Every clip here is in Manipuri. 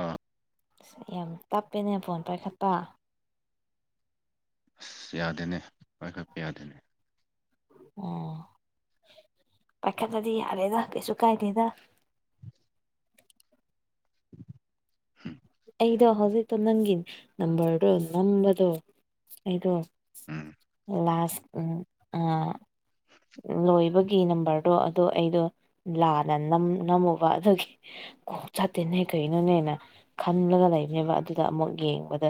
ꯑꯥ ꯌꯥꯝ ꯇꯞꯄꯦꯅꯦ ꯐꯣꯟ ꯄꯥꯏꯈꯠꯄ ꯑꯁ ꯌꯥꯗꯦꯅꯦ ꯍꯣꯏꯈꯣꯏꯠꯄ ꯌꯥꯗꯦꯅꯦ ꯑꯣꯝ ꯄꯥꯏꯈꯠꯠꯇꯂ꯭ꯔꯗꯤ ꯌꯥꯔꯦꯗ ꯀꯩꯁꯨ ꯀꯥꯏꯗꯦꯗ ꯎꯝ ꯑꯩꯗꯣ ꯍꯧꯖꯤꯛꯇꯣ ꯅꯪꯒꯤ ꯅꯝꯕꯔꯗꯣ ꯅꯝꯕꯗꯣ ꯑꯩꯗꯣ ꯎꯝ ꯂꯥꯁ ꯎ ꯂꯣꯏꯕꯒꯤ ꯅꯝꯕꯔ꯫ ꯑꯗꯣ ꯑꯗꯣ ꯑꯩꯗꯣ ꯂꯥꯟꯅ ꯅꯝ ꯅꯝꯃꯨꯕ ꯑꯗꯨꯒꯤ꯫ ꯀꯨ ꯆꯇꯦꯅꯦ ꯀꯔꯤꯅꯣꯅꯦ ꯅ ꯈꯟꯂꯒ ꯂꯩꯕꯅꯦꯕ ꯑꯗꯨꯗ ꯑꯃꯨꯛ ꯌꯦꯡꯕꯗ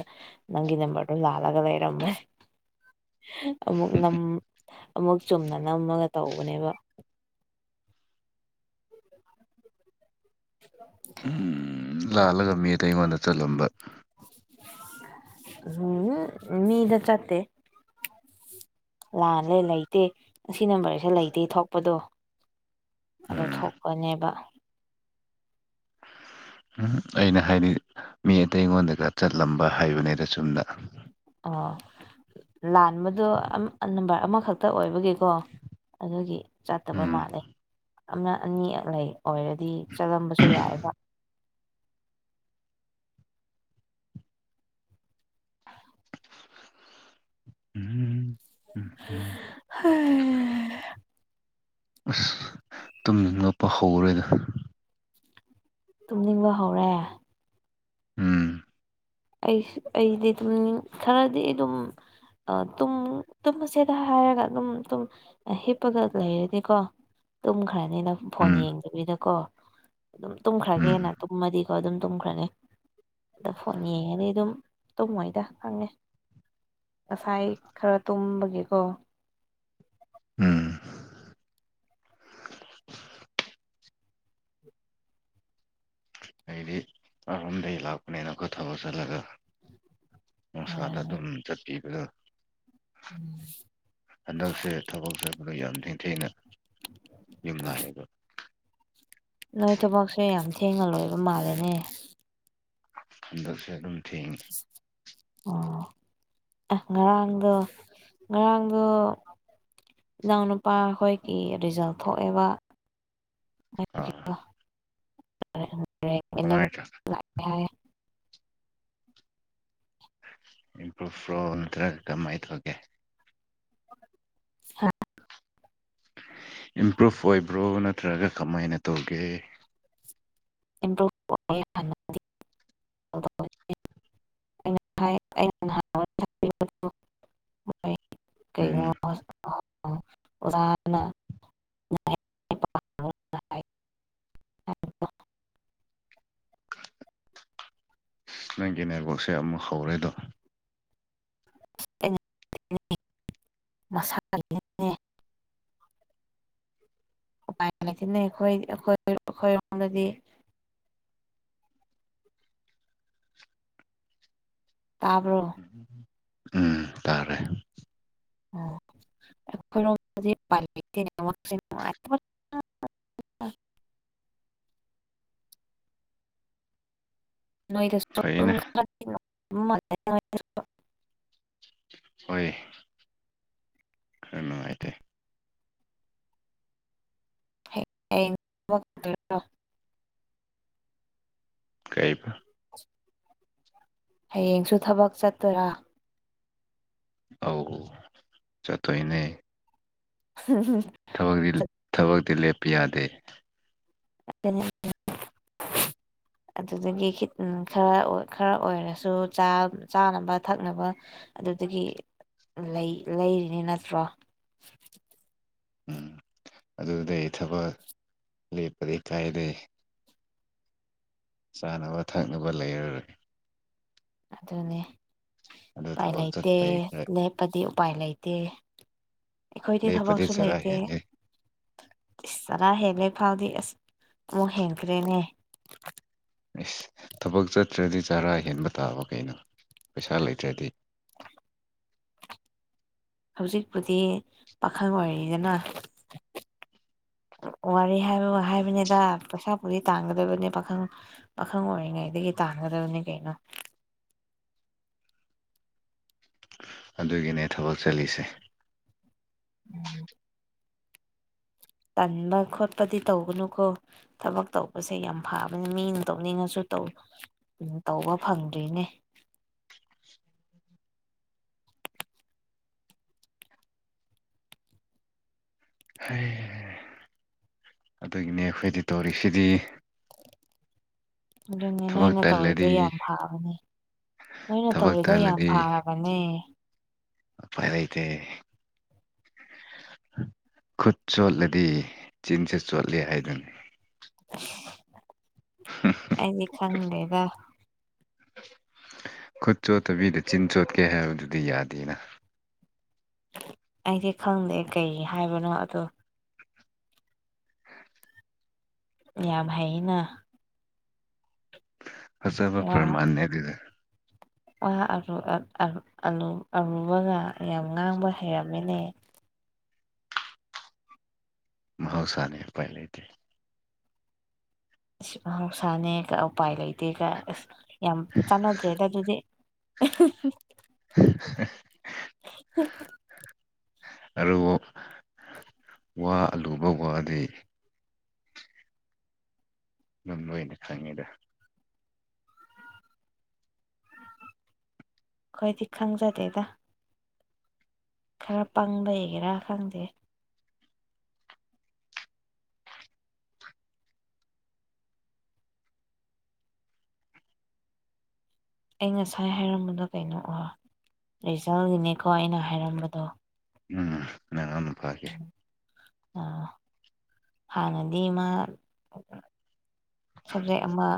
ꯅꯪꯒꯤ ꯅꯝꯕꯔꯗꯣ ꯂꯥꯜꯂꯒ ꯂꯩꯔꯝꯃꯦ꯫ ꯑꯃꯨꯛ ꯅꯝ ꯑꯃꯨꯛ ꯆꯨꯝꯅ ꯅꯝꯃꯒ ꯇꯧꯕꯅꯦꯕ꯫ [inaudible] [inaudible] ꯎꯝ ꯂꯥꯜꯂꯒ ꯃꯤ ꯑꯇꯩ ꯑꯩꯉꯣꯟꯗ ꯆꯠꯂꯝꯕ꯫ ꯎꯝ ꯃꯤꯗ ꯆꯠꯇꯦ꯫ ꯂꯥꯜꯂꯦ ꯂꯩꯇꯦ ꯑꯁꯤ ꯅꯝꯕꯔꯁꯦ ꯂꯩꯇꯦ ꯊꯣꯛꯄꯗꯣ꯫ ꯑꯗꯣ ꯎꯝ ꯊꯣꯛꯄꯅꯦꯕ꯫ ꯎꯍꯨꯝ ꯑꯩꯅ ꯍꯥꯏꯗꯤ ꯃꯤ ꯑꯇꯩ ꯑꯩꯉꯣꯟꯗꯒ ꯆꯠꯂꯝꯕ ꯍꯥꯏꯕꯅꯤꯗ ꯆꯨꯝꯅ ꯑꯥ ꯂꯥꯟꯕꯗꯣ ꯅꯝꯕꯔ ꯑꯃꯈꯛꯇ ꯑꯣꯏꯕꯒꯤꯀꯣ ꯑꯗꯨꯒꯤ ꯆꯠꯇꯕ ꯎꯝ ꯃꯥꯜꯂꯦ ꯑꯃꯅ ꯑꯅꯤ ꯑꯛ ꯂꯩ ꯑꯣꯏꯔꯗꯤ ꯆꯠꯂꯝꯕꯁꯨ ꯌꯥꯏꯑꯕ ꯇꯥꯗꯔꯦ [inaudible] ꯎꯝ ꯎꯝ ꯎꯝ ꯍꯥꯏ ꯑꯁ ꯇꯨꯝꯅꯤꯡꯉꯛꯄ ꯍꯧꯔꯦꯗ ꯇꯨꯝꯅꯤꯡꯕ ꯍꯧꯔꯦ ꯎꯝ ꯑꯩꯁꯨ ꯑꯩꯗꯤ ꯇꯨꯝꯅꯤꯡ ꯈꯔꯥꯗꯤ ꯑꯗꯨꯝ ꯑ ꯇꯨꯝ ꯇꯨꯝꯃꯁꯦꯗ ꯍꯥꯏꯔꯒ ꯑꯗꯨꯝ ꯇꯨꯝ ꯍꯤꯞꯄꯒ ꯂꯩꯔꯗꯤꯀꯣ ꯇꯨꯝꯈ꯭ꯔꯅꯤꯅ ꯐꯣꯟ ꯎꯝ ꯌꯦꯡꯗꯕꯤꯗꯀꯣ ꯑꯗꯨꯝ ꯎꯝ ꯇꯨꯝꯈ꯭ꯔꯥꯒꯦꯅ ꯇꯨꯝꯃꯗꯤꯀꯣ ꯑꯗꯨꯝ ꯇꯨꯝꯈ꯭ꯔꯅꯤ ꯑꯗ ꯌꯦꯡꯉꯗꯤ ꯑꯗꯨꯝ ꯇꯨꯝꯃꯣꯏꯗ ꯈꯪꯉꯦ ꯉꯁꯥꯏ ꯈꯔꯥ ꯇꯨꯝꯕꯒꯤꯀꯣ ꯎꯝ ꯑꯩꯗꯤ ꯑꯔꯥꯝꯗꯒꯤ ꯂꯥꯛꯄꯅꯦꯅꯀꯣ ꯊꯕꯛ ꯆꯠꯂꯒ ꯅꯨꯡꯁꯥꯗ ꯎꯝ ꯑꯗꯨꯝ ꯆꯠꯄꯤꯕꯗꯣ ꯎꯝ ꯍꯟꯗꯛꯁꯦ ꯊꯕꯛ ꯆꯠꯄꯗ ꯌꯥꯝ ꯊꯦꯡ ꯌꯨꯝ ꯂꯥꯛꯏꯕ ꯅꯣꯏ ꯊꯕꯛꯁꯨꯦ ꯌꯥꯝ ꯊꯦꯡꯅ ꯂꯣꯏꯕ ꯃꯥꯜꯂꯦꯅꯦ ꯍꯟꯗꯛꯁꯦ ꯑꯗꯨꯝ ꯊꯦꯡꯉꯦ ꯑꯣ ꯑꯦ ꯉꯔꯥꯡꯗ ꯉꯔꯥꯡꯗ ꯏꯅꯥꯎꯅꯨꯄꯥ ꯍꯣꯏꯒꯤ ꯔꯤꯖꯜ ꯊꯣꯛꯑꯦꯕ [inaudible] ꯑꯥ [unintelligible] ꯍꯉꯥꯏ ꯏꯂꯚꯦꯟ ꯆꯠꯦ [unintelligible] ꯍꯥꯏ ꯏꯝꯄ꯭ꯔꯨꯞꯚ꯭ꯔꯣ ꯅꯠꯇ꯭ꯔꯒ ꯀꯃꯥꯏꯅ ꯇꯧꯒꯦ ꯍꯥ ꯏꯝꯄ꯭ꯔꯨꯨꯞꯚ ꯑꯣꯏꯕ꯭ꯔꯣ ꯅꯠꯇ꯭ꯔꯒ ꯀꯃꯥꯏꯅ ꯇꯧꯒꯦ ꯏꯝꯄ꯭ꯔꯨꯞꯚ [unintelligible] ꯑ [unintelligible] ꯍꯥꯏ ꯎꯝ ꯍꯁ [unintelligible] ꯑꯣꯖꯥꯅ ꯅꯪꯒꯤ ꯅꯦꯠꯋꯥꯛꯁꯦ ꯑꯃꯨꯛ ꯍꯧꯔꯦꯗꯣ ꯑꯩꯅ ꯃꯁꯥꯒꯤꯅꯦ ꯅꯨꯡꯥꯏꯅ [unintelligible] ꯊꯤꯟꯅꯩ ꯑꯩꯈꯣꯏ ꯑꯩꯈꯣꯏ ꯑꯩꯈꯣꯏꯔꯣꯝꯗꯗꯤ ꯇꯥꯕ꯭ꯔꯣ ꯎ ꯎꯝ ꯇꯥꯔꯦ ꯑꯣ ꯑꯩꯈꯣꯏꯔꯣꯝꯗꯗꯤ ꯉꯥꯏ [unintelligible] ꯅꯣꯏꯗ ꯐꯩꯅꯦ [unintelligible] ꯍꯣꯏꯌꯦ ꯈꯔꯥ ꯅꯨꯡꯉꯥꯏꯇꯦ ꯣ [unintelligible] ꯀꯩꯕ ꯍꯌꯦꯡꯁꯨ ꯊꯕꯛ ꯆꯠꯇꯣꯏꯔꯥ ꯑꯧ ꯆꯠꯇꯣꯏꯅꯦ ꯎꯝꯝ [unintelligible] ꯊꯕꯛꯇꯤ ꯊꯕꯛꯇꯤ ꯂꯦꯞꯄ ꯌꯥꯗꯦ ꯑꯗꯨ [unintelligible] ꯑꯗꯨꯗꯒꯤꯈꯤꯠ ꯎꯝ ꯈꯔꯥ ꯈꯔꯥ ꯑꯣꯏꯔꯁꯨ ꯆꯥ ꯆꯥꯅꯕ ꯊꯛꯅꯕ ꯑꯗꯨꯗꯒꯤ ꯂꯩ ꯂꯩꯔꯤꯅꯤ ꯅꯠꯇ꯭ꯔꯣ ꯎꯝ ꯑꯗꯨꯗꯩ ꯊꯕꯛ ꯂꯦꯞꯄꯗꯤ ꯀꯥꯏꯗꯦ ꯆꯥꯅꯕ ꯊꯛꯅꯕ ꯂꯩꯔꯔꯣꯏ ꯑꯗꯨꯅꯦ ꯑꯗꯨ ꯎꯄꯥꯏ ꯊꯕꯛ ꯂꯩꯇꯦ ꯆꯠꯄꯩ ꯈꯔ ꯂꯦꯞ ꯄꯗꯤ ꯎꯄꯥꯏ ꯂꯩꯇꯦ ꯑꯩꯈꯣꯏꯗꯤ ꯂꯦꯞꯄꯗꯤ ꯊꯕꯛꯁꯨ ꯆꯔꯥ ꯂꯩꯇꯦ ꯍꯦꯜꯂꯦ ꯆꯔꯥ ꯍꯦꯜꯂꯦ ꯐꯥꯎꯗꯤ ꯑꯁ ꯑꯃꯨꯛ ꯍꯦꯟꯈ꯭ꯔꯦꯅꯦ ꯑꯦꯁ ꯊꯕꯛ ꯆꯠꯇ꯭ꯔꯗꯤ ꯆꯥꯔꯥ ꯍꯦꯟꯕ ꯇꯥꯕ ꯀꯩꯅꯣ ꯄꯩꯁꯥ ꯂꯩꯇ꯭ꯔꯗꯤ ꯍꯧꯖꯤꯛꯄꯨꯗꯤ ꯄꯥꯈꯪ ꯑꯣꯏꯔꯤꯗꯅ ꯋꯥꯔꯤ ꯍꯥꯏꯕ ꯍꯥꯏꯕꯅꯤꯗ ꯄꯩꯁꯥ ꯄꯨꯗꯤ ꯇꯥꯟꯒꯗꯕꯅꯦ ꯄꯥꯈꯪ ꯄꯥꯈꯪ ꯑꯣꯏꯔꯤꯉꯩꯗꯒꯤ ꯇꯥꯟꯒꯗꯕꯅꯤ ꯀꯩꯅꯣ ꯑꯗꯨꯒꯤꯅꯦ ꯊꯕꯛ ꯆꯠꯂꯤꯁꯦ ꯎꯝ ꯇꯟꯕ ꯈꯣꯠꯄꯗꯤ ꯇꯧꯒꯅꯨꯀꯣ ꯊꯕꯛ ꯇꯧꯕꯁꯦ ꯌꯥꯝ ꯐꯕꯅꯤ ꯃꯤꯅ ꯇꯧꯅꯤꯡꯉꯁꯨ ꯇꯧ ꯎ ꯇꯧꯕ ꯐꯪꯗ꯭ꯔꯤꯅꯦ ꯍꯩ ꯑꯗꯨꯒꯤꯅꯦ ꯑꯩꯈꯣꯏꯗꯤ ꯇꯧꯔꯤꯛꯁꯤꯗꯤ ꯑꯗꯨꯅꯦ ꯊꯕꯛ ꯅꯣꯏꯅ ꯇꯧꯔꯤꯗꯣ ꯇꯜꯂꯗꯤ ꯌꯥꯝ ꯐꯕꯅꯦ ꯅꯣꯏꯅ ꯊꯕꯛ ꯇꯧꯔꯤꯗꯣ ꯌꯥꯝ ꯐꯥꯔꯕꯅꯦ ꯑꯄꯥꯏꯂꯩꯇꯦ ꯈꯨꯠ ꯆꯣꯠꯂꯗꯤ ꯆꯤꯟꯁꯦ ꯆꯣꯠꯂ ꯍꯥꯏꯗꯨꯅ ꯑꯩꯗꯤ ꯈꯪꯗꯦꯗ ꯈꯨꯠ ꯆꯣꯠꯇꯕꯤꯗ ꯆꯤꯟ ꯆꯣꯠꯀꯦ ꯍꯥꯏꯕꯗꯨꯗꯤ ꯌꯥꯗꯦꯅ ꯑꯩꯗꯤ ꯈꯪꯗꯦ ꯀꯩ ꯍꯥꯏꯕꯅꯣ ꯑꯗꯣ ꯌꯥꯝ ꯍꯥꯏꯅ ꯋꯥ ꯍꯁꯕꯄꯔ ꯃꯥꯅꯦꯗꯗ ꯋꯥ ꯑꯔꯨꯕꯒ ꯌꯥꯝ ꯉꯥꯡꯕ ꯍꯩꯔꯝꯃꯤꯅꯦ ꯃꯍꯧꯁꯥꯅꯤ ꯄꯥꯏ ꯂꯩꯇꯦ ꯃꯍꯧꯁꯥꯅꯤ ꯎꯄꯥꯏ ꯂꯩꯇꯦ ꯇꯤꯒ ꯑꯁ ꯌꯥꯝ ꯆꯥꯟꯅꯗ꯭ꯔꯦꯗ ꯑꯗꯨꯗꯤ [unintelligible] ꯍ ꯑꯗꯨꯕꯨ ꯋꯥ ꯑꯂꯨꯕ ꯋꯥꯗꯤ ꯑꯗꯨꯝ ꯂꯣꯏꯅ ꯈꯪꯉꯦꯗ ꯈꯣꯏ ꯇꯛꯈꯪꯪ ꯆꯇꯦꯗ ꯈꯔ ꯄꯪꯕ ꯍꯒꯦꯔꯥ ꯈꯪꯗꯦ ꯑꯩ ꯉꯁꯥꯏ ꯍꯥꯏꯔꯝꯕꯗꯣ ꯀꯩꯅꯣ ꯔꯤꯖꯜꯒꯤꯅꯦꯀꯣ ꯑꯩꯅ ꯍꯥꯏꯔꯝꯕꯗꯣ ꯎꯝ ꯑ ꯐꯒꯦ ꯑꯥ ꯍꯥꯟꯅꯗꯤ ꯃꯥ ꯁꯕꯖꯦꯛ ꯑꯃ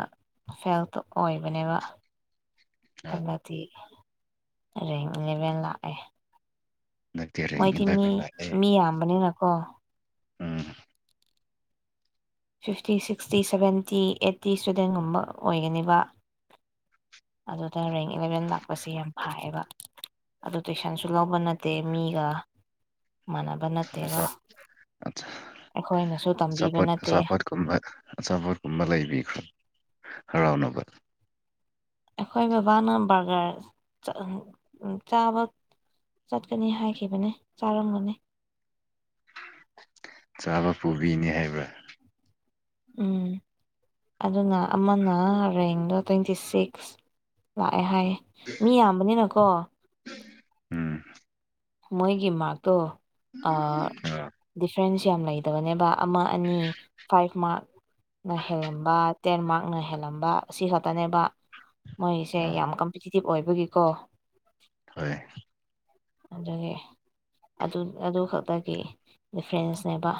ꯐꯦꯜꯇꯣ ꯑꯣꯏꯕꯅꯦꯕꯗ ꯗꯤ ꯔꯦꯡ ꯏꯂꯦꯚꯦꯟ ꯂꯥꯛꯑꯦ ꯍꯟꯗꯛꯇꯤ ꯔꯦꯡ ꯃꯣꯏꯗꯤ ꯃꯤ ꯏꯂꯚꯦꯟ ꯂꯥꯛꯑꯦ ꯃꯤ ꯌꯥꯝꯕꯅꯤꯅꯀꯣ um fifty sixty seventy eighty ꯁ꯭ꯇꯨꯗꯦꯟꯒꯨꯝꯕ ꯑꯣꯏꯒꯅꯤꯕ ꯑꯗꯨꯗ ꯔꯦꯡ ꯏꯂꯚꯦꯟ ꯂꯥꯛꯄꯁꯦ ꯌꯥꯝ ꯍꯥꯏꯥꯏꯌꯦꯕ ꯑꯗꯨ ꯇꯨꯏꯁꯟꯁꯨ ꯂꯧꯕ ꯅꯠꯇꯦ ꯃꯤꯒ ꯃꯥꯟꯅꯕ ꯅꯠꯇꯦꯕ ꯑꯆꯥ ꯑꯆꯥ ꯑꯩꯈꯣꯏꯅꯁꯨ ꯇꯝꯕꯤꯕ ꯅꯠꯇꯦ ꯒꯨꯝꯕ ꯑꯆꯥꯄꯣꯠ ꯀꯨꯝꯕ ꯂꯩꯕꯤꯈ꯭ꯔꯣ ꯍꯔꯥꯎꯅꯕ ꯑꯩꯈꯣꯏ ꯕꯕꯥꯅ ꯕꯔꯒꯔ ꯆꯥꯕ ꯆꯠꯀꯅꯤ ꯍꯥꯏꯈꯤꯕꯅꯤ ꯆꯥꯔꯝꯒꯅꯤ ꯆꯥꯕ ꯄꯨꯕꯤꯅꯤ ꯍꯥꯏꯕ꯭ꯔꯥ ꯎꯝ ꯑꯗꯨꯅ ꯑꯃꯅ ꯔꯦꯡꯗꯣ ꯇ꯭ꯋꯦꯟꯇꯤ ꯁꯤꯛꯁ ꯂꯥꯛꯑꯦ ꯍꯥꯏꯌꯦ ꯃꯤ ꯌꯥꯝꯕꯅꯤꯅꯀꯣ ꯎꯝ ꯃꯣꯏꯒꯤ ꯃꯥꯔꯛꯇꯣ ꯗꯤꯐ꯭ꯔꯦꯟꯁ ꯌꯥꯝ ꯂꯩ ꯐ ꯇꯕꯅꯦꯕ ꯑꯃ ꯑꯅꯤ ꯐꯥꯏꯚ ꯃꯥꯔꯛꯅ ꯍꯦꯜꯂꯝꯕ ꯇꯦꯟ ꯃꯥꯔꯛꯅ ꯍꯦꯜꯂꯝꯕ ꯑꯁꯤ ꯈꯛꯇꯅꯦꯕ ꯃꯣꯏꯁꯦ ꯑꯥ ꯌꯥꯝ ꯀꯝꯄꯤꯇꯤꯇꯤꯞ ꯑꯣꯏꯕꯒꯤꯀꯣ ꯍꯣꯏ ꯑꯗꯒꯤ ꯑꯗꯨ ꯑꯗꯨ ꯈꯛꯇꯒꯤ ꯗꯤꯐ꯭ꯔꯦꯟꯁꯅꯦꯕ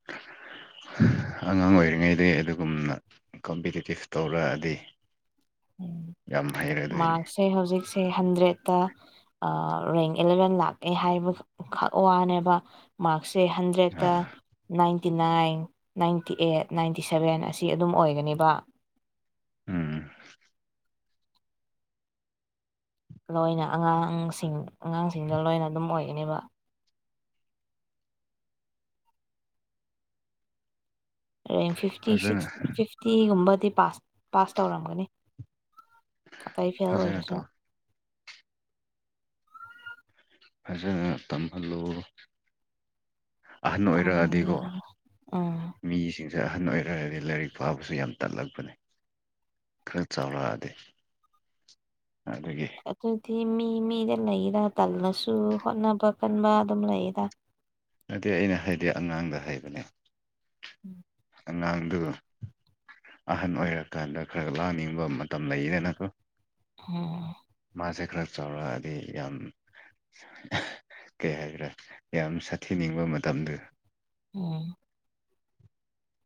[unintelligible] ꯑꯉꯥꯡ ꯑꯣꯏꯔꯤꯉꯩꯗ ꯑꯗꯨꯒꯨꯝꯅ ꯀꯝꯄꯤꯇꯤꯇꯤꯞ ꯇꯧꯔꯛꯑꯗꯤ ꯌꯥꯝ ꯐꯩꯔꯦ ꯑꯗꯨ ꯑꯣꯏꯅꯦ ꯁꯦ ꯍꯧꯖꯤꯛꯁꯦ ꯍꯟꯗ꯭ꯔꯦꯗꯠꯇ ꯔꯦꯡ ꯑꯦꯂꯚꯦꯟ ꯂꯥꯛꯑꯦ ꯍꯥꯏꯕ ꯈꯛ ꯋꯥꯅꯦꯕ ꯃꯥꯔꯛꯁꯁꯦ ꯍꯟꯗ꯭ꯔꯦꯗꯠꯇ ꯑꯥ ninety nine ninety eight ninety seven ꯑꯁꯤ ꯑꯗꯨꯝ ꯑꯣꯏꯒꯅꯦꯕ ꯎꯝ ꯂꯣꯏꯅ ꯑꯉꯥꯡꯁꯤꯡ ꯑꯉꯥꯡꯁꯤꯡꯗ ꯂꯣꯏꯅ ꯑꯗꯨꯝ ꯑꯣꯏꯒꯅꯦꯕ ꯑ ꯐꯤꯐꯇꯤ ꯐꯖꯅ ꯁꯤꯛꯁ ꯐꯤꯐꯇꯤꯒꯨꯝꯕꯗꯤ ꯄꯥꯁ ꯄꯥꯁ ꯇꯧꯔꯝꯒꯅꯤ ꯑꯇꯩ ꯐꯦꯜ ꯐꯖꯅ ꯑꯣꯏꯔꯁꯨ ꯇꯧ ꯐꯖ ꯇꯝꯍꯜꯂꯨ ꯑꯍꯟ ꯇꯝꯍꯟꯒꯦ ꯑꯣꯏꯔꯛꯑꯗꯤꯀꯣ ꯎꯝ ꯃꯤꯁꯤꯡꯁꯦ ꯑꯍꯟ ꯑꯣꯏꯔꯛꯗꯤ ꯂꯥꯏꯔꯤꯛ ꯄꯥꯕꯁꯨ ꯌꯥꯝ ꯇꯠꯂꯛꯄꯅꯦ ꯈꯔ ꯆꯥꯎꯔꯛꯑꯗꯤ ꯑꯗꯨꯗꯒꯤ ꯑꯗꯨꯗꯤ ꯃꯤ ꯃꯤꯗ ꯂꯩꯔ ꯇꯜꯅꯁꯨ ꯍꯣꯠꯅꯕ ꯀꯟꯕ ꯑꯗꯨꯝ ꯂꯩꯔ ꯑꯗꯨꯗꯗꯤ ꯑꯩꯅ ꯍꯥꯏꯗꯤ ꯑꯉꯥꯡꯗ ꯍꯩꯕꯅꯦ ꯎꯝ ꯑꯉꯥꯡꯗꯨ ꯑꯍꯟ ꯑꯣꯏꯔꯀꯥꯟꯗ ꯈꯔ ꯂꯥꯡꯅꯤꯡꯕ ꯃꯇꯝ ꯂꯩꯗꯅꯀꯣ ꯑꯝ ꯃꯥꯁꯦ ꯈꯔ ꯆꯥꯎꯔꯛꯑꯗꯤ ꯌꯥꯝ ꯀꯩ ꯍꯥꯏꯕ꯭ꯔꯥ ꯌꯥꯝ ꯁꯥꯊꯤꯅꯤꯡꯕ ꯃꯇꯝꯗ ꯎꯝ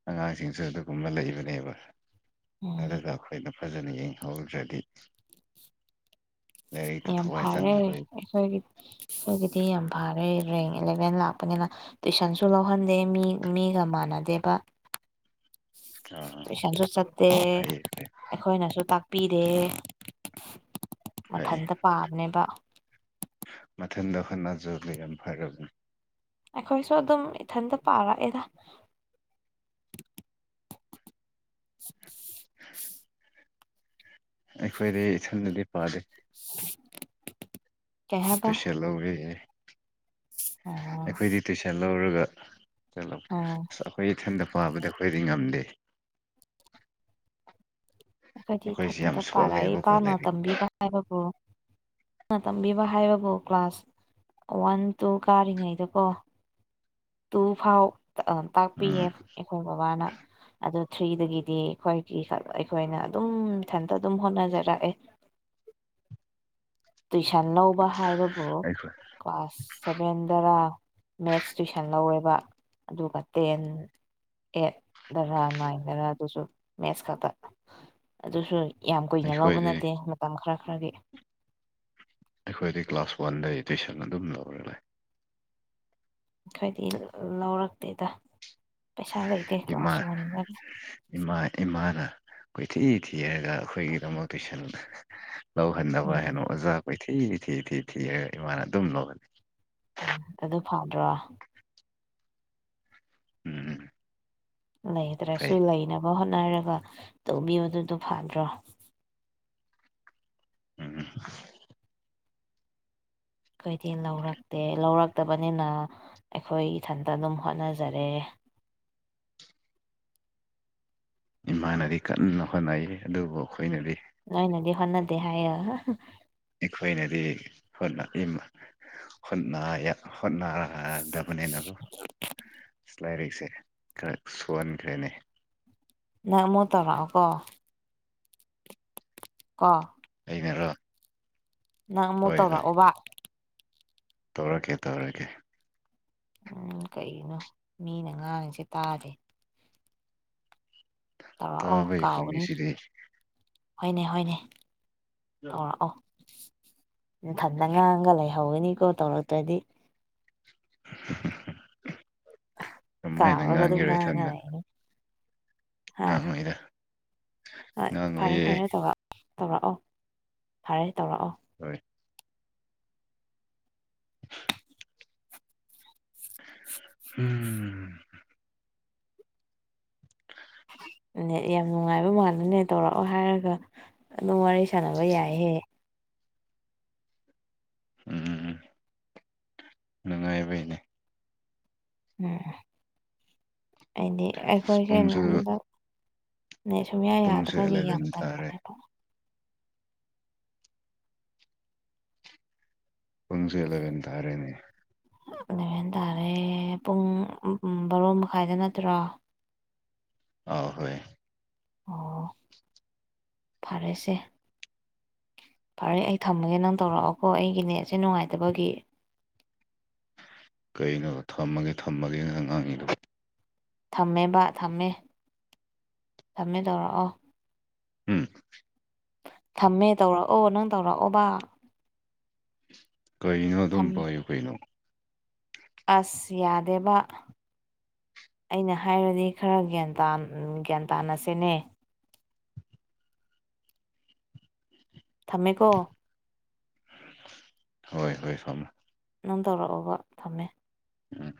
ꯑꯉꯥꯡꯁꯤꯡꯁꯨ ꯑꯗꯨꯒꯨꯝꯕ ꯂꯩꯕꯅꯦꯕ ꯎꯝ ꯑꯗꯨꯒ ꯑꯩꯈꯣꯏꯅ ꯐꯖꯅ ꯌꯦꯡꯍꯧꯗ꯭ꯔꯗꯤ ꯂꯥꯏꯔꯤꯛꯇ ꯌꯥꯝ ꯊꯋꯥꯏ ꯐꯔꯦ ꯆꯪꯉꯔꯣꯏ ꯑꯩꯈꯣꯏꯒꯤ ꯑꯩꯈꯣꯏꯒꯤꯗꯤ ꯌꯥꯝ ꯐꯔꯦ ꯔꯦꯡ ꯏꯂꯚꯦꯟ ꯂꯥꯛꯄꯅꯤꯅ ꯇꯨꯏꯁꯟꯁꯨ ꯂꯧꯍꯟꯗꯦ ꯃꯤ ꯃꯤꯒ ꯃꯥꯟꯅꯗꯦꯕ ꯑꯥ ꯄꯩꯁꯥꯁꯨ ꯆꯠꯇꯦ ꯐꯩꯌꯦ ꯐꯩ ꯑꯩꯈꯣꯏꯅꯁꯨ ꯇꯥꯛ ꯄꯤꯔꯦ ꯐꯩꯌꯦ ꯃꯊꯟꯇ ꯄꯥꯕꯅꯦꯕ ꯃꯊꯟꯗ ꯑꯩꯈꯠꯅꯖꯕꯒꯤ ꯌꯥꯝ ꯐꯔꯕꯅꯤ ꯑꯩꯈꯣꯏꯁꯨ ꯑꯗꯨꯝ ꯏꯊꯟꯇ ꯄꯥꯔꯛꯑꯦꯗ ꯑ ꯑꯩꯈꯣꯏꯗꯤ ꯏꯁꯝꯗꯗꯤ ꯄꯥꯗꯦ [unintelligible] ꯍꯥꯏꯕ ꯇꯨꯏꯁꯟ ꯂꯧꯔꯦ ꯎꯝ ꯑꯩꯈꯣꯏꯗꯤ ꯇꯨꯏꯁꯟ ꯂꯧꯔꯒ ꯆꯠꯂꯝꯕ ꯑꯣ ꯑꯁ ꯑꯩꯈꯣꯏ ꯏꯊꯟꯇ ꯄꯥꯕꯗ ꯑꯩꯈꯣꯏꯗꯤ ꯉꯝꯗꯦ ꯑꯩꯈꯣꯏꯗꯤ ꯑꯩꯈꯣꯏꯁꯤ ꯌꯥꯝ ꯏꯊꯟꯇ ꯄꯥꯔꯛꯏ ꯁꯣꯜꯂꯦꯕꯀꯣ ꯄꯥꯛꯅ ꯂꯥꯏꯔꯤꯛ ꯇꯝꯕꯤꯕ ꯍꯥꯏꯕꯕꯨ ꯅ ꯇꯝꯕꯤꯕ ꯍꯥꯏꯕꯕꯨ ꯀ꯭ꯂꯥꯁ ꯋꯥꯟ ꯇꯨ ꯀꯥꯔꯤꯉꯩꯗꯀꯣ ꯇꯨ ꯐꯥꯎ ꯇꯥꯛꯄꯤꯌꯦ ꯎꯝ ꯑꯩꯈꯣꯏ ꯕꯕꯥꯅ ꯑꯗꯨ ꯊ꯭ꯔꯤꯗꯒꯤꯗꯤ ꯑꯩꯈꯣꯏꯒꯤ ꯑꯩꯈꯣꯏꯅ ꯑꯗꯨꯝ ꯏꯊꯟꯇ ꯑꯗꯨꯝ ꯍꯣꯠꯅꯖꯔꯛꯑꯦ [inaudible] ꯇꯨꯏꯁꯟ ꯂꯧꯕ ꯍꯥꯏꯕꯕꯨ ꯑꯩꯈꯣꯏ ꯀ꯭ꯂꯥꯁ ꯁꯚꯦꯟꯗꯔ ꯃꯦꯠꯁ ꯇꯨꯏꯁꯟ ꯂꯧꯋꯦꯕ ꯑꯗꯨꯒ ꯇꯦꯟ ꯑꯦꯠ ꯗꯔꯥ ꯅꯥꯏꯟꯗꯔꯥ ꯑꯗꯨꯁꯨ ꯃꯦꯠꯁ ꯈꯛꯇ ꯑꯗꯨꯁꯨ ꯌꯥꯝ ꯀꯨꯏꯅ ꯂꯧꯕ ꯑꯩꯈꯣꯏꯗꯤ ꯅꯠꯇꯦ ꯃꯇꯝ ꯈꯔ ꯈꯔꯒꯤ ꯑꯩꯈꯣꯏꯗꯤ ꯀ꯭ꯂꯥꯁ ꯋꯥꯟꯗꯩ ꯇꯨꯏꯁꯟ ꯑꯗꯨꯝ ꯂꯧꯔ ꯂꯩ ꯈꯣꯏꯗꯤ ꯂꯧꯔꯛꯇꯦꯗ ꯄꯩꯁꯥ ꯂꯩꯇꯦ ꯏꯃꯥ ꯀ꯭ꯂꯥꯁ ꯂꯧꯅꯤꯡꯉꯥꯢ ꯏꯃꯥ ꯏꯃꯥꯅ ꯀꯣꯏꯊꯤ ꯊꯤꯔꯒ ꯑꯩꯈꯣꯏꯒꯤꯗꯃꯛ ꯇꯨꯏꯁꯟ ꯂꯧꯍꯟꯅꯕ ꯎꯝ ꯍꯥꯏꯅ ꯑꯣꯖꯥ ꯀꯣꯏꯊꯤ ꯊꯤ ꯊꯤ ꯊꯤꯔꯒ ꯏꯃꯥꯅ ꯑꯗꯨꯝ ꯂꯧꯍꯟꯂꯤ ꯑꯗꯨ ꯐꯗ꯭ꯔꯣ ꯎꯝ ꯂꯩꯗ꯭ꯔꯁꯨ ꯐꯩ ꯂꯩꯅꯕ ꯍꯣꯠꯅꯔꯒ ꯇꯧꯕꯤꯌꯣ ꯑꯗꯨꯗꯣ ꯐꯗ꯭ꯔꯣ ꯎꯝ ꯎꯝ ꯈꯣꯢꯗꯤ ꯂꯧꯔꯛꯇꯦ ꯂꯧꯔꯛꯇꯕꯅꯤꯅ ꯑꯩꯈꯣꯏ ꯏꯊꯟꯇ ꯑꯗꯨꯝ ꯍꯣꯠꯅꯖꯔꯦ ꯏꯃꯥꯅꯗꯤ ꯀꯟꯅ ꯍꯣꯠꯅꯩ ꯑꯗꯨꯕꯨ ꯑꯩꯈꯣꯏꯅꯗꯤ ꯅꯣꯏꯅꯗꯤ ꯍꯣꯠꯅꯗꯦ ꯍꯥꯏꯌꯦ ꯑꯩꯈꯣꯏꯅꯗꯤ ꯍꯣꯠꯅꯥ ꯍꯣꯠꯅ ꯍꯣꯠꯅꯗꯕꯅꯦꯅ ꯗꯨ ꯂꯥꯏꯔꯤꯛꯁꯦ ꯈꯔ ꯁꯣꯟꯈ꯭ꯔꯦꯅꯦ ꯅꯪ ꯑꯃꯨꯛ ꯇꯧꯔꯛꯑꯣꯒꯣ ꯀꯣ ꯑꯩꯅꯔꯣ ꯅꯪ ꯑꯃꯨꯛ ꯍꯣꯏ ꯍꯣꯏ ꯇꯧꯔꯛꯑꯣꯕ ꯇꯧꯔꯛꯀꯦ ꯇꯧꯔꯛꯀꯦ ꯎꯝ ꯀꯩꯅꯣ ꯃꯤꯅ ꯉꯥꯡꯉꯤꯁꯦ ꯇꯥꯗꯦ ꯇꯧꯔꯛꯑꯣ ꯇꯥꯕꯒꯤ ꯀꯥꯎꯒꯅꯤ ꯈꯨꯝꯃꯤꯁꯤꯗꯤ ꯍꯣꯏꯅꯦ ꯍꯣꯏꯅꯦ ꯇꯧꯔꯛꯑꯣ ꯅꯊꯥꯟ ꯉꯥꯡꯉ ꯂꯩꯍꯧꯒꯅꯤꯀꯣ ꯇꯧꯔꯛꯇ꯭ꯔꯗꯤ ꯀꯝꯍꯥꯏꯅ ꯀꯥꯎꯔꯒ ꯑꯗꯨꯝ ꯉꯥꯡꯒꯦꯔꯣ ꯉꯥꯡꯉꯒ ꯏꯊꯥꯟꯗ ꯂꯩꯅꯤ ꯍꯥ ꯉꯥꯡꯉꯣꯢꯗ ꯍꯣꯏ ꯐꯔꯦ ꯐꯔꯦ ꯇꯧꯔꯛ ꯇꯧꯔꯛꯑꯣ ꯐꯔꯦ ꯇꯧꯔꯛꯑꯣ ꯍꯣꯏ ꯎꯝ [unintelligible] ꯅꯦꯠ ꯌꯥꯝ ꯅꯨꯡꯉꯥꯏꯕ ꯃꯥꯜꯂꯤꯅꯦ ꯇꯧꯔꯛꯑꯣ ꯍꯥꯏꯔꯒ ꯑꯗꯨꯝ ꯋꯥꯔꯤ ꯁꯥꯟꯅꯕ ꯌꯥꯏꯍꯦ ꯎꯝꯝ ꯎꯝ ꯅꯨꯡꯉꯥꯏꯕꯩꯅꯦ ꯎꯝ ꯍꯥꯏꯗꯤ ꯑꯁ ꯑꯩꯈꯣꯏꯁꯦ ꯄꯨꯡꯁꯨ ꯍꯟꯗꯛ ꯅꯦꯠ ꯁꯨꯝꯌꯥ ꯄꯨꯡꯁꯦ ꯌꯥꯗꯕꯒꯤ ꯌꯥꯝ ꯑꯦꯂꯚꯦꯟ ꯇꯥꯔꯦ ꯇꯟꯕꯅꯦꯕ ꯄꯨꯟꯁꯨ ꯑꯦꯂꯕꯦꯟ ꯊꯥꯔꯦꯅꯦ ꯑꯂꯦꯚꯦꯟ ꯇꯥꯔꯦ ꯄꯨꯡ ꯕꯥꯔꯣ ꯃꯈꯥꯏꯗ ꯅꯠꯇ꯭ꯔꯣ ꯑꯥ ꯍꯣꯏ ꯑꯣ ꯐꯔꯦꯁꯦ ꯐꯔꯦ ꯑꯩ ꯊꯝꯃꯒꯦ ꯅꯪ ꯇꯧꯔꯛꯑꯣꯀꯣ ꯑꯩꯒꯤ ꯅꯦꯠꯁꯦ ꯅꯨꯡꯉꯥꯏꯇꯕꯒꯤ ꯀꯩꯅꯣ ꯊꯝꯃꯒꯦ ꯊꯝꯃꯒꯦꯅ ꯉꯥꯡꯉꯤꯗꯣ ꯊꯝꯃꯦ ꯕꯥ ꯊꯝꯃꯦ ꯊꯝꯃꯦ ꯇꯧꯔꯛꯑꯣ ꯎꯝ ꯊꯝꯃꯦ ꯇꯧꯔꯛꯑꯣ ꯅꯪ ꯇꯧꯔꯛꯑꯣꯕ ꯀꯩꯅꯣ ꯑꯗꯨꯝ ꯊꯝꯃꯦ ꯄꯥꯏꯌꯨ ꯀꯩꯅꯣ ꯑꯁ ꯌꯥꯗꯦꯕ ꯑꯩꯅ ꯍꯥꯏꯔꯗꯤ ꯈꯔ ꯒ꯭ꯌꯥꯟ ꯇ ꯒ꯭ꯌꯥꯟ ꯇꯥꯅꯁꯦꯃꯦ ꯊꯝꯃꯦꯀꯣ ꯍꯣꯏ ꯍꯣꯏ [unintelligible] ꯅꯪ ꯇꯧꯔꯛꯑꯣꯕ ꯊꯝꯃꯦ ꯎꯝ